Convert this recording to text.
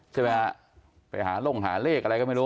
ใช่ไหมฮะไปหาลงหาเลขอะไรก็ไม่รู้